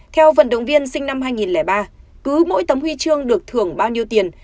theo vận động viên sinh năm hai nghìn ba cứ mỗi tấm huy chương được thưởng bao nhiêu tiền